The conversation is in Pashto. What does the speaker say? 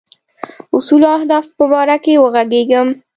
اصولو او اهدافو په باره کې وږغېږم.